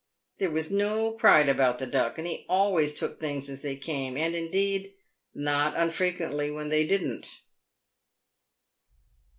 There was no pride about the Duck, and he always took things as they came, and, indeed, not unfrequently when they didn't.